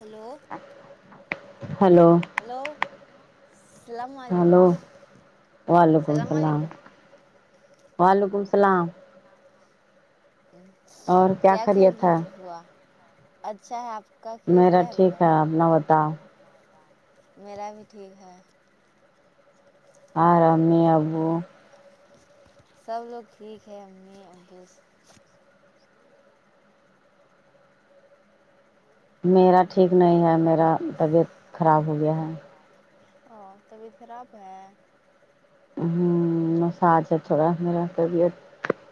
hello hello hello السلام علیکم hello وعلیکم السلام وعلیکم س وعلیکم السلام ما کیا خیریت ہوا اچھا ہے آپ کا خیریت میرا کیا ٹھیک بوا ہے اپنا بتاؤ میرا بھی ٹھیک ہے اور امی ابو سب لوگ ٹھیک ہے امی ابو میرا ٹھیک نہیں ہے میرا طبیعت خراب ہو گیا ہے او طبیعت خراب ہے ہمم مساج ہے تھوڑا میرا طبیعت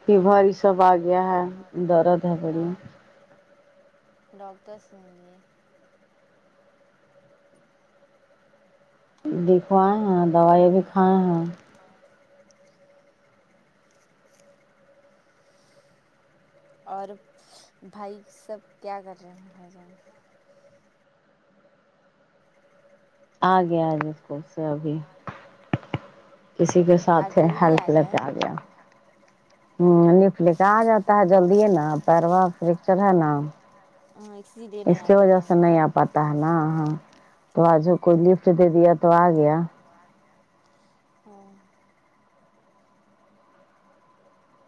فیورھر یہ سب آ گیا ہے درد ہے بڑی اور ڈاکٹر سے ملیے دکھوائے ہیں دوائی بھی کھائے ہیں [unintelligible] اور بھائی سب کیا کر رہے ہے بھائی جان آگے آگے اسکول سے ابھی کسی کے ساتھ ہیلپ لیتے آ گیا ہیلپ لے کر ا گیا ہمم لفٹ کے آ جاتا ہے جلدی ہے نا پیروا فریکچر ہے نا ہاں اسی دے اس نہیں کی آتے وجہ ٹائم سے پہ نہیں آ پاتا ہے نا تو آج کوئی لفٹ دے دیا تو آ گیا توا گیا ہمم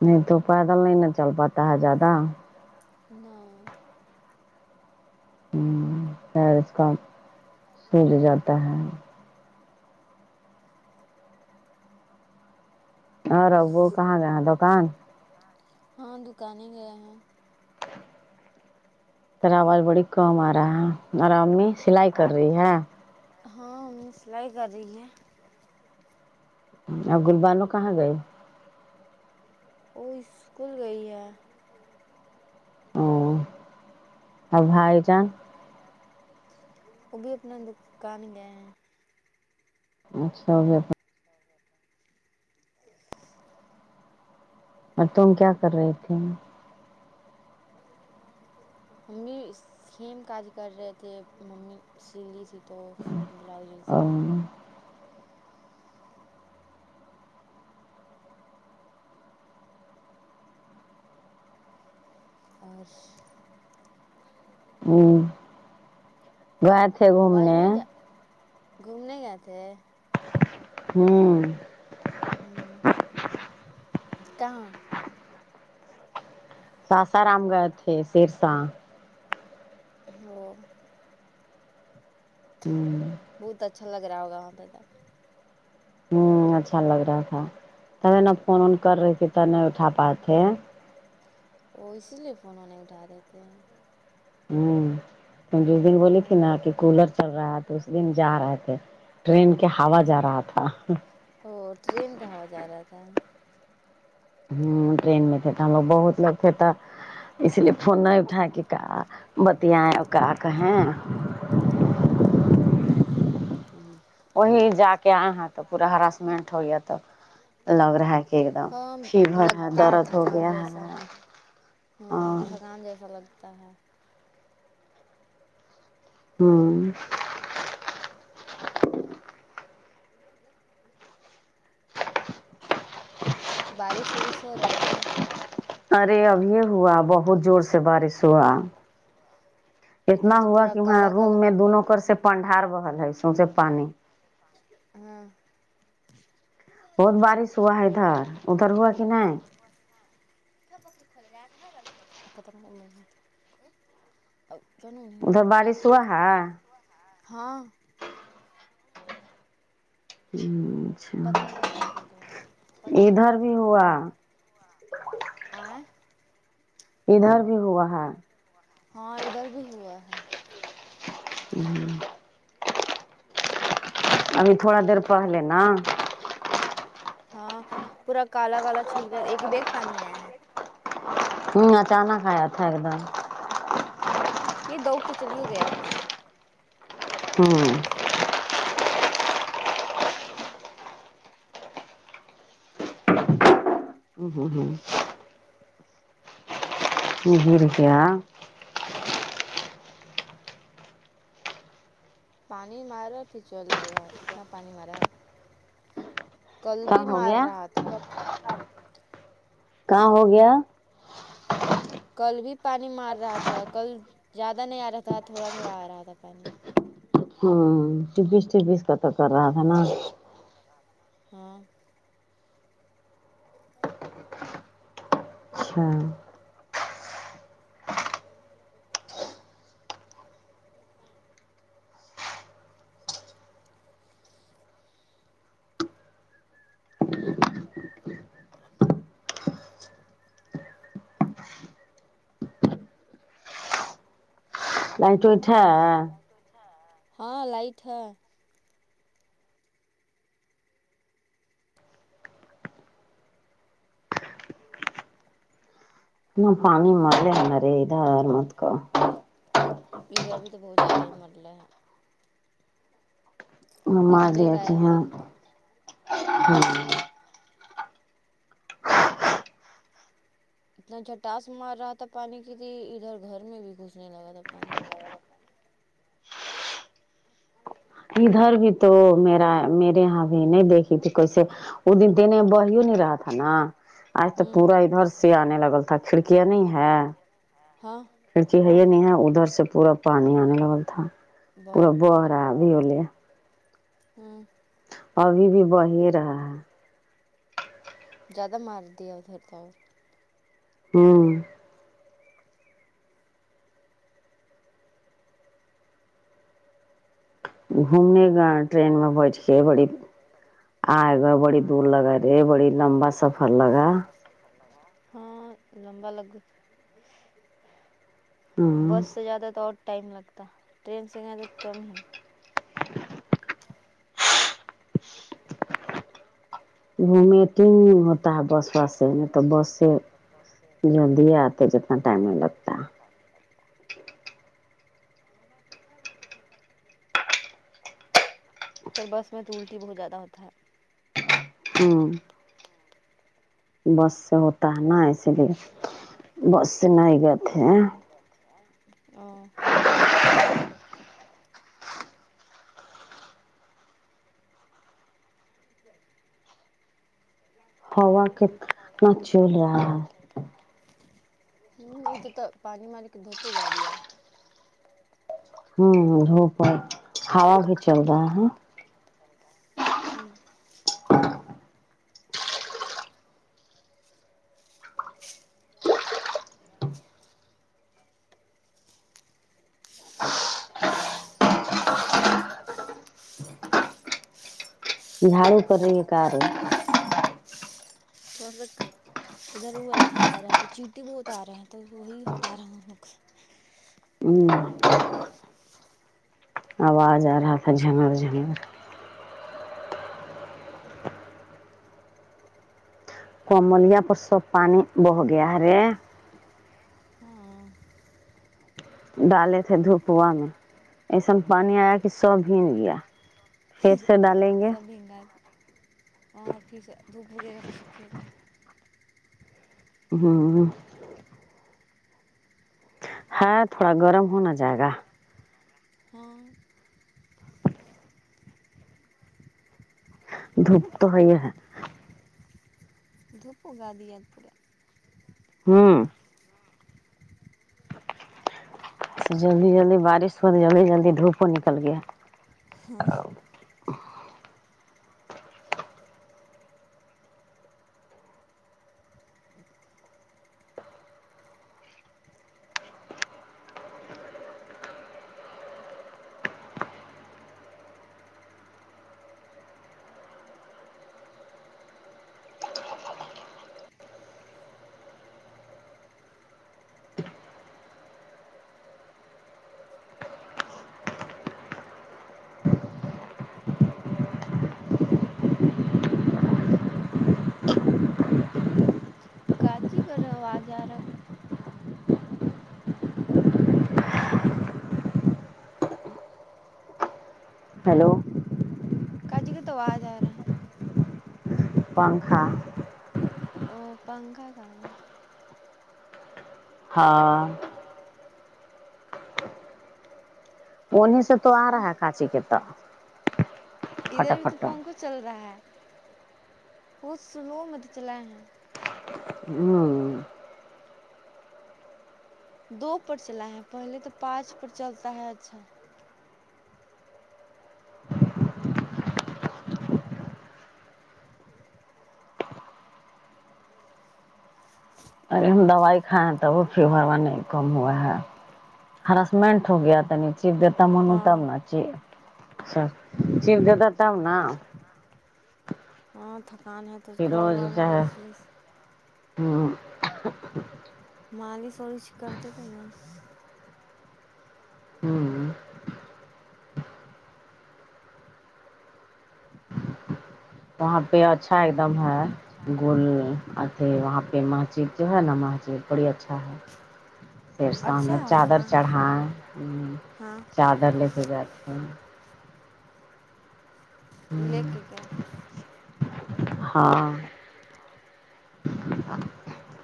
نہیں تو پیدل نہیں نا چل پاتا ہے زیادہ جاتا نہیں ہمم پیر اس کا سوج جاتا ہے اور ابو کہاں گئے دکان دکان ہاں دکانیں گئے ہیں تیرا آواز بڑی کم آ رہا ہے اور امی سلائی کر رہی ہے ہاں امی سلائی کر رہی ہے اب گلبانو کہاں گئے وہ اسکول گئی ہے او اور بھائی جان بھائی جان وہ بھی اپنا دوکان گئے ہیں اچھا اور تم کیا کر رہے تھے [unintelligible] ہم بھی سیم کاج کر رہے تھے ممی سلی تھی تو بلاؤز وہ سین میں ہوں اور ہوں بات آواز نہیں گھومنے گئے تھے ہوں ہوں کہاں ساسا رام گئے تھے سڑ سا ہلو ہوں بہت اچھا لگ رہا ہوگا وہاں پہ تو ہوں اچھا لگ رہا تھا تب انو فون ون کر رہی تھی تو نہیں اٹھا پائے تھے وہ اسی لیے فون وہ نہیں اٹھا رہے تھے ہیں ہوں جس دن بولی تھی نا کہ کولر چل رہا ہے تو اس دن جا رہے تھے ٹرین کے ہوا جا رہا تھا او ٹرین کا ہوا جا رہا تھا ہوں ٹرین میں تھے تو ہم لوگ بہت لوگ تھا اس لیے فون نہیں اٹھا کہ کا بتیائے اور کا کہیں ہاں وہی جا کے آۓ ہے تو پورا ہراسمنٹ ہویا تو لگ رہا کہ ایک دم ہاں فیور ہے لگتا درد ہو تھکان گیا ہے جیسا ہاں تھکان جیسا لگتا ہے ہوں بارش ورش ہو رہا ہے ادھر ارے ابھی ہوا بہت زور سے بارش ہوا ادھر اتنا تو ہوا پورا کہ وہاں کالا روم کالا میں دونوں کر سے پنڈار بہار ہے سوسے پانی ہاں بہت بارش ہوا ہے ادھر ادھر ہوا کہ نہیں [unintelligible] ادھر بارش ہوا ہے تھا ہاں ہوں [unintelligible] پتا نہیں ادھر بھی ہوا ادھر بھی ہوا ہے ہاں ادھر بھی ہوا ہے ہوں ابھی تھوڑا دیر ابھی پہلے تھوڑا نا دیر ب ہاں پورا کالا کالا چلا ایک بیگ پانی آیا ہے [unintelligible] جانا ہے کہ دو کچلی ہو گیا ہوں ہوں ہوں ہوں ہوں یہ گر گیا پانی مارا پھسل گیا اتنا پانی مارا ہے کل بھی کام ہو مار گیا رہا تھا کام ہوگیا کام ہو گیا کل بھی پانی مار رہا تھا کل زیادہ نہیں آ رہا تھا تھوڑا تھوڑا آ رہا تھا پانی ہاں چھبیس چھبیس کا تو کر رہا ہے نا ہاں [inaudible] اچھا لائٹ وایٹ ہے ہاں لائٹ ہے نہ پانی مارلے آ نارے مت کو ادھر بھی تو بہت جیادہ ہی مرلے ہے م ما ایک د بیگ کے آیا ہے ہاں پانی [unintelligible] اتنا جٹاس مار رہا تھا پانی کی تھی ادھر گھر میں بھی گھسنے لگا تھا پانی [unintelligible] ادھر بھی تو میرا میرے یہاں نہیں نہیں دیکھی تھی کیسے وہ دن دینے میں بھڑ ہی نہیں رہا تھا نا آج تو ہوں پورا ادھر سے آنے لگل تھا کھڑکیاں نہیں ہے ہاں کھڑکی ہے یہ نہیں ہے ادھر سے پورا پانی آنے لگا تھا پورا باپ رے بہرا اب ہولے ہوں ابھی بھی بہہ ہی رہا ہے جیادہ مار دیا ہے ادھر تو ہوں گھومنے گیا ٹرین میں بیٹھ کے بڑی آئے گئے بڑی دور لگا رے بڑی لمبا سفر لگا س [unintelligible] سفر لگا ہاں لمبا لگ ہ بس سے جاتا تو اور ٹائم لگتا ٹرین سے جا تو کم ہی گھومے تو ہوتا ہے بس وس سے نیتو بس سے جلدی آت [unintelligible] پر بس میں تو الٹی بہت زیادہ ہو تھا ہوں بس سے ہوت بس سے ہوتا ہے نہ ایسے بس سے نہیں ہی گئے بس تھے سے [unintelligible] ہاں [unintelligible] ہوا کت نا چل رہا ہے ہمم ادھر تو پانی مالے کے دھوپ اگا دیا ہوں دھوپ ہا ہوا بھی چل رہا ہے ہوں جھاڑو کر رہی ہے کار [unintelligible] ادھر او آ رہا تھا چینٹی بہت آ رہے تھے وہی ہٹا رہا ہوں ہوں آواز آ رہا تھا جنر جنھر کوملیا پرس پانی بہ گیا رے ہوں ڈالے تھے دھوپوا میں ایسا پانی آیا کہ سو بھیگ گیا پھر سے ڈالیں گے سب پھر سے دھوپ وغیرہ میں تو سوکھے گا ہوں ہاں تھوڑا گرم ہونا جائے گا ہاں دھوپ تو ہے یہاں دھوپ گادیا پورے ہوں جلدی جلدی بارش ہوئی تو جلدی جلدی دھوپ نکل گیا ہاں کچی کر رہے ہو آواز آ رہا ابھی ہلو ہلو کچی کا تو آواز آ رہا ہے پنکھا پنکھا او پنکھا تھا ہاں ہاں انھیں سب ادر پھٹا بھی تو پھٹا پنکھا چل رہا ہے بہت سلو میں تو چلا ہیں ہوں دو پر چلا ہے پہلے تو پانچ پر چلتا ہے اچھا ارے ہم دوائی کھائیں تو وہ فیور وا نہیں کم ہوا ہے ہراسمنٹ ہو گیا تا نہیں چی دیتا منوں تب ہاں ناچی اچھا چینے دے تب نہ ہاں تھکان ہے تو گڑا فروز میں چاہے مالش والش ہوں مالش والش کرتے تھے نا ہوں وہاں پہ اچھا ایک دم ہے گل آتے وہاں پہ مسجد جو ہے نا مسجد بڑی اچھا ہے سرسہ اچھا میں ہے چادر وہاں چڑھائے ہاں چادر لے کے گئے تھے لیے کے گئے تھے ہاں ہاں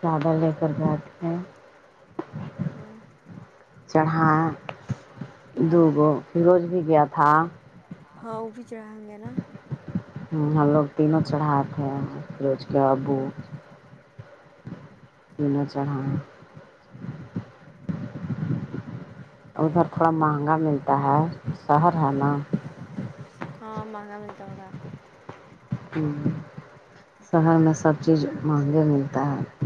چادر لے کر گئے تھے ہوں چڑھایا ہاں دوگو فیروز بھی گیا تھا ہاں وہ بھی چڑھائنگے نا ہوں ہم لوگ تینوں چڑھائے تھے فیروز کے ابو ہوں تینوں چڑھایں ادھر تھوڑا مہنگا ملتا ہے شہر ہے نا شہر ہے نہ ہاں مہنگا ملتا ہوگا ہوں شہر میں سب چیز مہنگے ملتا ہے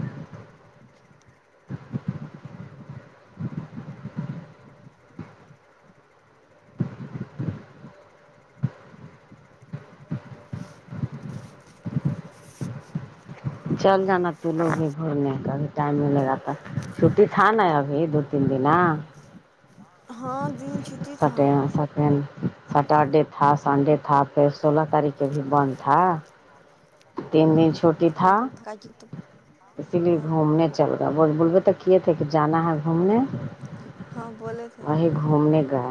چل جانا تو لوگ ہی گھومنےبھی ٹائم ملے گا تو چھٹی تھا نا ابھی دو تین دنا ہاں جی چھٹی تھا [unintelligible] سٹرڈے تھا سنڈے تھا پھر سولہ تاریخ کے بھی بند تھا [unintelligible] تین دن چھوٹی ہاں تھا بہت تھکا تو اسی لیے ہاں گھومنے چل گا بولوے تو کیے تھے کہ جانا ہے گھومنے ہاں بولے تھے وہی گھومنے گا